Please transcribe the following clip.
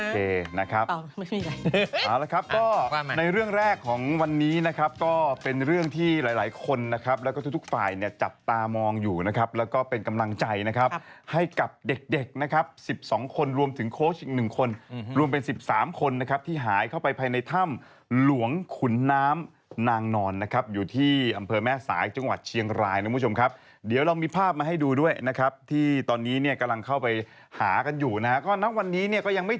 โอเคนะครับเอาละครับก็ในเรื่องแรกของวันนี้นะครับก็เป็นเรื่องที่หลายคนนะครับแล้วก็ทุกฝ่ายเนี่ยจับตามองอยู่นะครับแล้วก็เป็นกำลังใจนะครับให้กับเด็กนะครับ๑๒คนรวมถึงโค้ช๑คนรวมเป็น๑๓คนนะครับที่หายเข้าไปภายในถ้ำหลวงขุนน้ำนางนอนนะครับอยู่ที่อำเภอแม่สายจังหวัดเชียงรายนะคุณผู้ชมครับเดี๋ยวเรามี